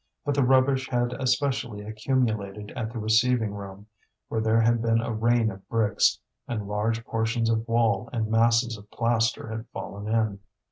But the rubbish had especially accumulated at the receiving room, where there had been a rain of bricks, and large portions of wall and masses of plaster had fallen in.